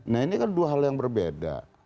nah ini kan dua hal yang berbeda